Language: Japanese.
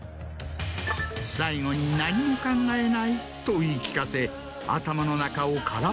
最後に「何も考えない」と言い聞かせ。